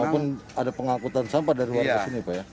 walaupun ada pengangkutan sampah dari warga sini pak ya